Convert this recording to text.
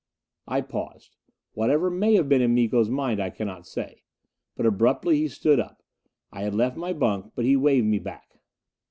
I paused. Whatever may have been in Miko's mind I cannot say. But abruptly he stood up. I had left my bunk, but he waved me back.